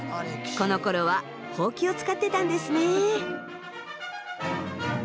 このころはほうきを使ってたんですね。